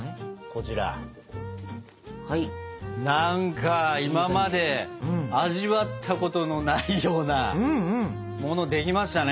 こちら何か今まで味わったことのないようなものできましたね！